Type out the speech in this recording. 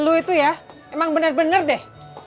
dulu itu ya emang bener bener deh